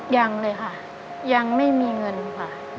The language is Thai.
ยังเลยค่ะยังไม่มีเงินค่ะ